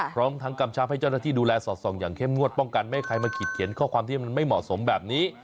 พร้อมทั้งกำชับให้เจ้าหน้าที่ดูแลสอดส่องอย่างเข้มงวดป้องกันไม่ให้ใครมาขีดเขียนข้อความที่มันไม่เหมาะสมแบบนี้